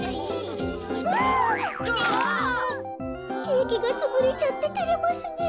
ケーキがつぶれちゃっててれますねえ。